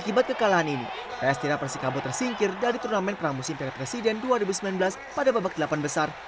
akibat kekalahan ini ps tira persikabo tersingkir dari turnamen pramusim piala presiden dua ribu sembilan belas pada babak delapan besar